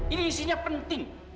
ini isinya penting